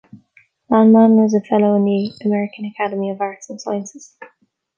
Lanman was a Fellow in the American Academy of Arts and Sciences.